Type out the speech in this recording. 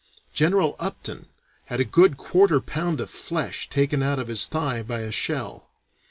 General Upton had a good quarter pound of flesh taken out of his thigh by a shell.